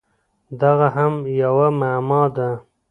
دغه هم یوه معما ده!